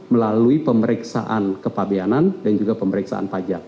melalui pemeriksaan kepabianan dan juga pemeriksaan pajak